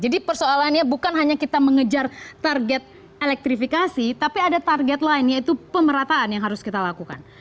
jadi persoalannya bukan hanya kita mengejar target elektrifikasi tapi ada target lain yaitu pemerataan yang harus kita lakukan